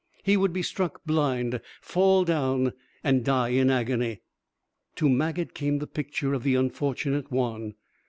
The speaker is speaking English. He would be struck blind, fall down and die in agony." To Maget came the picture of the unfortunate Juan.